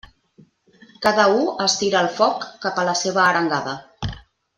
Cada u es tira el foc cap a la seva arengada.